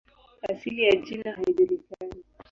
Asili ya jina haijulikani.